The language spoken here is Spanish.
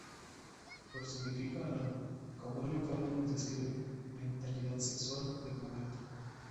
Personifica al álbum, como Ellen Foley lo describe, "mentalidad sexual pre-puberta".